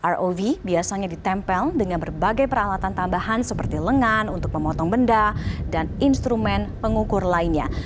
rov biasanya ditempel dengan berbagai peralatan tambahan seperti lengan untuk memotong benda dan instrumen pengukur lainnya